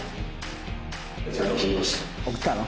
送ったの？